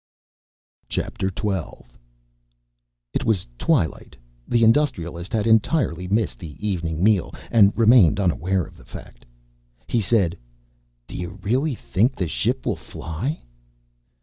XII It was twilight. The Industrialist had entirely missed the evening meal and remained unaware of the fact. He said, "Do you really think the ship will fly?"